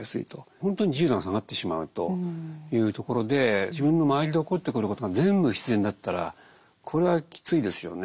本当に自由度が下がってしまうというところで自分の周りで起こってくることが全部必然だったらこれはきついですよね。